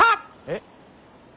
えっ。